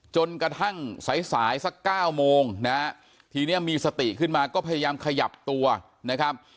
จนกระทั่งสายสายสัก๙โมงนะฮะเพราะที่มีสติขึ้นใหม่ก็พยายามขยับตัวนะฮะ